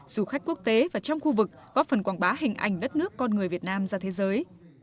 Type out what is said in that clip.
du khách quốc tế và trong khu vực góp phần quảng bá hình ảnh đất nước con người việt nam ra thế giới